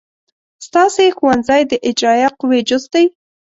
ستاسې ښوونځی د اجرائیه قوې جز دی.